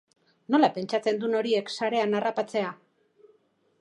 Nola pentsatzen dun horiek sarean harrapatzea?